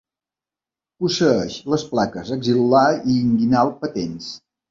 Posseeix les plaques axil·lar i inguinal patents.